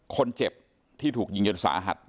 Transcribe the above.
คนเจ็บที่ถูกยิงจนสาหัส